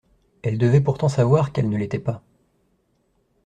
Elle devait pourtant savoir qu'elle ne l'était pas.